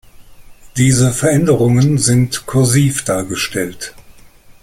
Diese Veränderungen sind kursiv dargestellt.